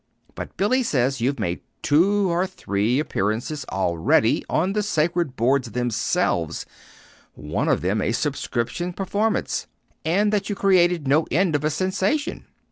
But Billy says you've made two or three appearances already on the sacred boards themselves one of them a subscription performance and that you created no end of a sensation."